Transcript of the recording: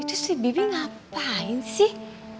terus si bibi ngapain sih